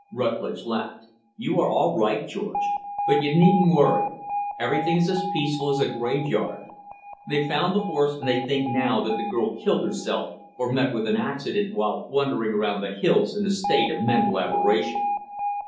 Rutlidge laughed. "You are all right, George. But you needn't worry. Everything is as peaceful as a graveyard. They've found the horse, and they think now that the girl killed herself, or met with an accident while wandering around the hills in a state of mental aberration."